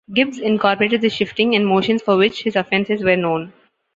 Gibbs incorporated the shifting and motions for which his offenses were known.